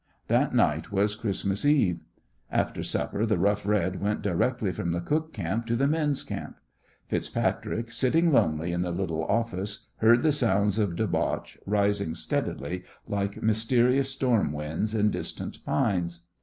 That night was Christmas Eve. After supper the Rough Red went directly from the cook camp to the men's camp. FitzPatrick, sitting lonely in the little office, heard the sounds of debauch rising steadily like mysterious storm winds in distant pines.